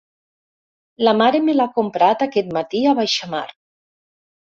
La mare me l'ha comprat, aquest matí, a baixamar.